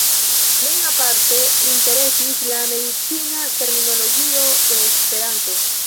Lin aparte interesis la medicina terminologio de Esperanto.